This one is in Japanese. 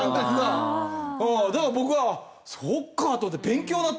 だから僕はそっかと思って勉強になって。